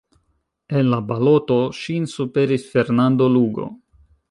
En la baloto ŝin superis Fernando Lugo.